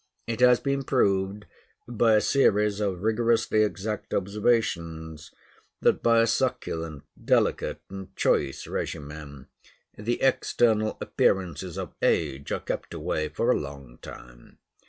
It has been proved, by a series of rigorously exact observations, that by a succulent, delicate, and choice regimen, the external appearances of age are kept away for a long time.